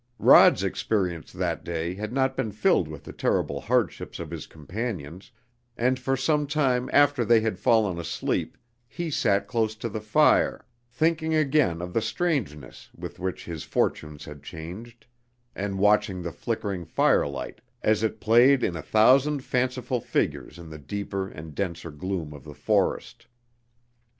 Rod's experience that day had not been filled with the terrible hardships of his companions, and for some time after they had fallen asleep he sat close to the fire, thinking again of the strangeness with which his fortunes had changed, and watching the flickering firelight as it played in a thousand fanciful figures in the deeper and denser gloom of the forest.